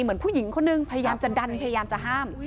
เหมือนผู้หญิงคนนึงพยายามจะดันพยายามจะห้าม